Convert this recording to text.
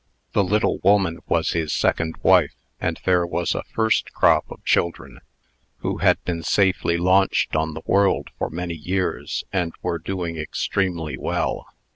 The little woman was his second wife; and there was a first crop of children, who had been safely launched on the world for many years, and were doing extremely well.